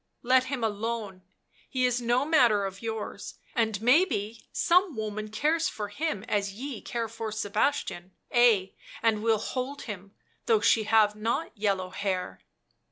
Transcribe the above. Let him alone, he is no matter of yours, and maybe some woman cares for him as ye care for Sebastian, ay, and will hold him, though she have not yellow hair."